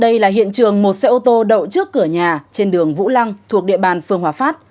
đây là hiện trường một xe ô tô đậu trước cửa nhà trên đường vũ lăng thuộc địa bàn phương hòa phát